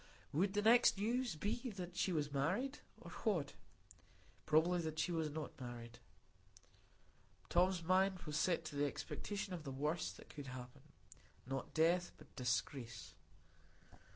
Would the next news be that she was married,—or what? Probably that she was not married; Tom's mind was set to the expectation of the worst that could happen,—not death, but disgrace.